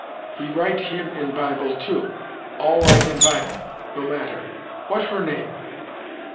"He write him in bible, too! All write in bible. No matter what her name?"